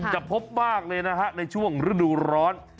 จะพบมากเลยนะฮะในช่วงฤดูร้อน